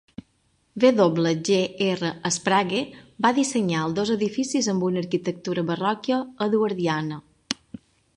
W. G. R. Sprague va dissenyar els dos edificis amb una arquitectura barroca eduardiana.